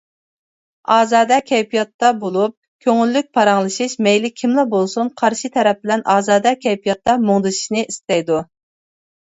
ئازادە كەيپىياتتا بولۇپ، كۆڭۈللۈك پاراڭلىشىش مەيلى كىملا بولسۇن، قارشى تەرەپ بىلەن ئازادە كەيپىياتتا مۇڭدىشىشنى ئىستەيدۇ.